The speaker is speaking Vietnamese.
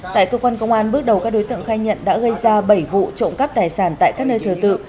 tại cơ quan công an bước đầu các đối tượng khai nhận đã gây ra bảy vụ trộm cắp tài sản tại các nơi thờ tự